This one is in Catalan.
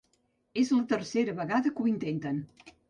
És la tercera vegada que ho intenten.